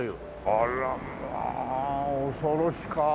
あらまあ恐ろしか。